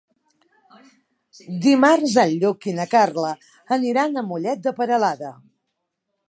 Dimarts en Lluc i na Carla aniran a Mollet de Peralada.